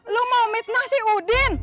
lo mau mitnah si udin